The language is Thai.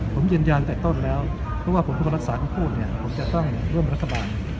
ผมยืนยันแต่ต้นแล้วเพราะว่าผมเป็นคนรักษาที่พูดเนี่ยผมจะต้องร่วมรัฐบาล